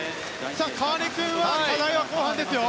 川根君は課題は後半ですよ。